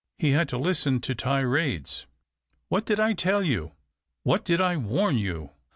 He had to listen to tirades. "What did I tell you ? What did I warn you